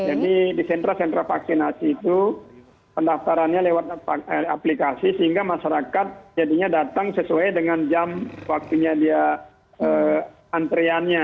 jadi di sentra sentra vaksinasi itu pendaftarannya lewat aplikasi sehingga masyarakat jadinya datang sesuai dengan jam waktunya dia antreannya